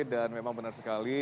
dan memang benar sekali